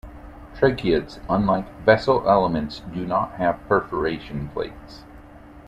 Tracheids, unlike vessel elements, do not have perforation plates.